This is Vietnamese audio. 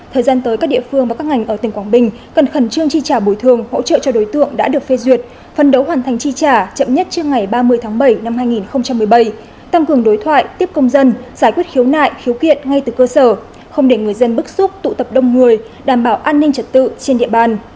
thời gian tới các địa phương và các ngành ở tỉnh quảng bình cần khẩn trương chi trả bồi thường hỗ trợ cho đối tượng đã được phê duyệt phân đấu hoàn thành chi trả chậm nhất trước ngày ba mươi tháng bảy năm hai nghìn một mươi bảy tăng cường đối thoại tiếp công dân giải quyết khiếu nại khiếu kiện ngay từ cơ sở không để người dân bức xúc tụ tập đông người đảm bảo an ninh trật tự trên địa bàn